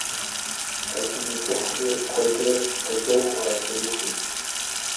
Тхьэкӏумэкӏыхьри куэдрэ пэщӏохуэ а сырыхум.